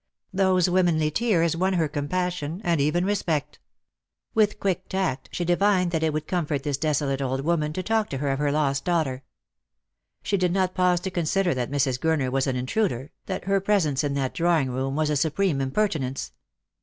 Those womanly tears won her compassion, and even respect. With quick tact she divined that it would comfort this desolate old woman to talk to her of her lost daugh ter. She did not pause to consider that Mrs. Gurner was an intruder, that her presence in that drawing room was a supreme impertinence.